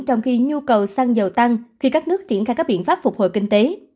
trong khi nhu cầu xăng dầu tăng khi các nước triển khai các biện pháp phục hồi kinh tế